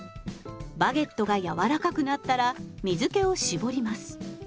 バゲットが柔らかくなったら水けを絞ります。